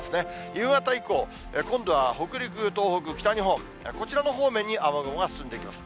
夕方以降、今度は北陸、東北、北日本、こちらの方面に雨雲が進んでいきます。